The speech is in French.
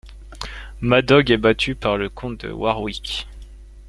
Madog est battu par le comte de Warwick.